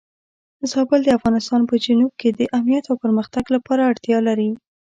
زابل د افغانستان په جنوب کې د امنیت او پرمختګ لپاره اړتیا لري.